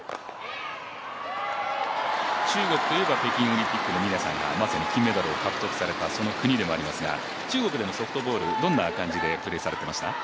中国といえば北京オリンピックの峰さんが金メダルを獲得された国でもありますが中国でもソフトボールどんな感じでプレーされてました？